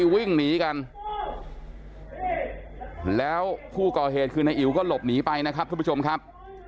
วิ่งหนีกันแล้วผู้ก่อเหตุคือนายอิ๋วก็หลบหนีไปนะครับทุกผู้ชมครับ